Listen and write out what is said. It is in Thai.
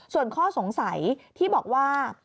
ส่วนข้อสงสัยที่บอกว่า